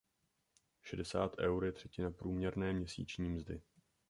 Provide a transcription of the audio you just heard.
Šedesát eur je třetina průměrné měsíční mzdy.